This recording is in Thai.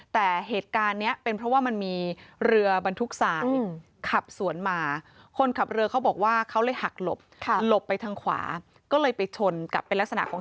แต่เหตุการณ์นี้เป็นเพราะว่ามี